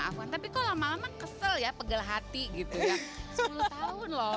gitu kan nggak apa apa deh maafkan tapi kalau mama kesel ya pegel hati gitu ya tahun loh